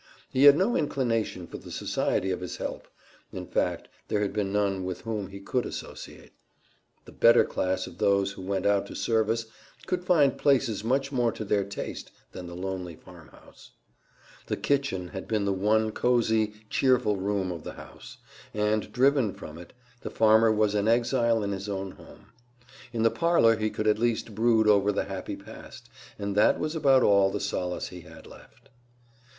He had no inclination for the society of his help; in fact, there had been none with whom he could associate. The better class of those who went out to service could find places much more to their taste than the lonely farmhouse. The kitchen had been the one cozy, cheerful room of the house, and, driven from it, the farmer was an exile in his own home. In the parlor he could at least brood over the happy past, and that was about all the solace he had left.